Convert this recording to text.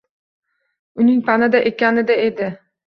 Uning panada ekanida edi.